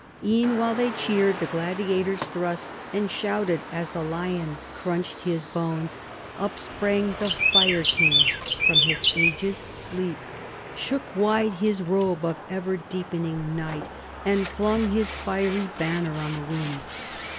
"E'en while they cheered the gladiator's thrust, And shouted as the lion crunched his bones, Up sprang the Fire King from his ages' sleep Shook wide his robe of ever deepening night, And flung his fiery banner on the wind.